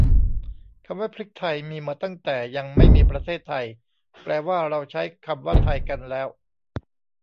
คำว่าพริกไทยมีมาตั้งแต่ยังไม่มีประเทศไทย แปลว่าเราใช้คำว่าไทยกันแล้ว